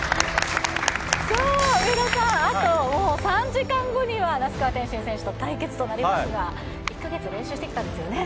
あと３時間後には那須川天心選手と対決となりますが１カ月練習してきたんですよね？